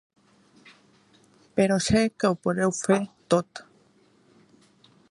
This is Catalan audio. Però sé que ho podeu fer tot.